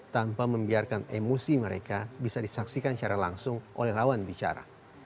tanpa membiarkan emosi mereka bisa disaksikan secara langsung oleh lawan bicara